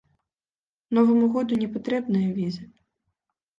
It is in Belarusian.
Новаму году не патрэбныя візы.